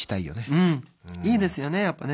うんいいですよねやっぱね。